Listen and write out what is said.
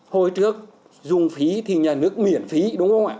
hồi trước dùng phí thì nhà nước miễn phí đúng không ạ